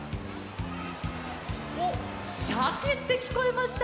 おっシャケってきこえました。